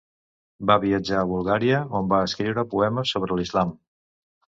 Va viatjar a Bulgària on va escriure poemes sobre l'islam.